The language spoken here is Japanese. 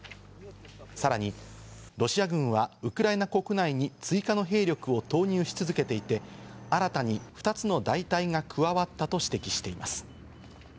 さらにロシア軍はウクライナ国内に追加の兵力を投入し続けていて、新たに２つの大隊が加わったと指摘しています。